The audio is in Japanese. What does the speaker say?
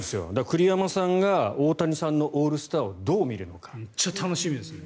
栗山さんが大谷のオールスターをめっちゃ楽しみですね。